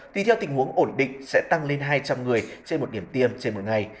tùy theo tình huống ổn định sẽ tăng lên hai trăm linh người trên một điểm tiêm trên một ngày